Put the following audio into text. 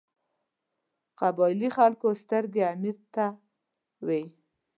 قبایلي خلکو سترګې امیر ته وې.